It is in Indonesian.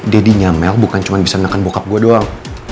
deddy nyamel bukan cuma bisa menekan bokap gue doang